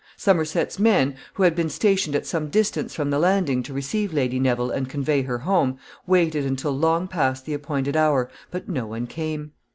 Somerset's men, who had been stationed at some distance from the landing to receive Lady Neville and convey her home, waited until long past the appointed hour, but no one came.